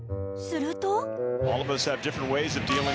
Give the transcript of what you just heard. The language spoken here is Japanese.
すると。